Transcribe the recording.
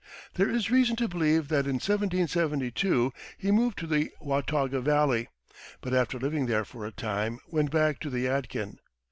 There is reason to believe that in 1772 he moved to the Watauga Valley, but after living there for a time went back to the Yadkin.